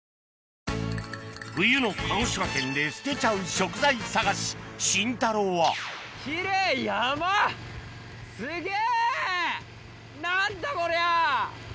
冬の鹿児島県で捨てちゃう食材探しシンタローは何だこりゃ！